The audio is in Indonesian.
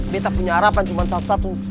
kita punya harapan cuma satu satu